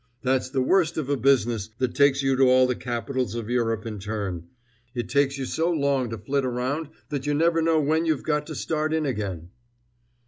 That's the worst of a business that takes you to all the capitals of Europe in turn. It takes you so long to flit around that you never know when you've got to start in again."